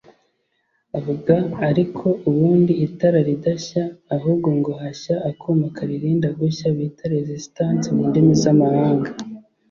Avuga ariko ubundi itara ridashya ahubwo ngo hashya akuma karirinda gushya bita “Resistance” mu ndimi z’amahanga